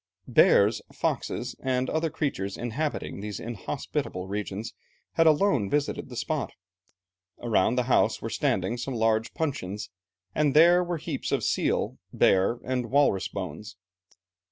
Bears, foxes, and other creatures inhabiting these inhospitable regions had alone visited the spot. Around the house were standing some large puncheons and there were heaps of seal, bear, and walrus bones.